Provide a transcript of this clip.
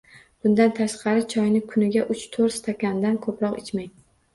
Bundan tashqari, choyni kuniga uch-toʻrt stakandan koʻproq ichmang.